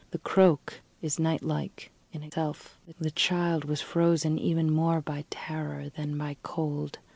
The croak is night like in itself. The child was frozen even more by terror than by cold.